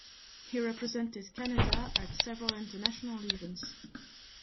He represented Canada at several international events.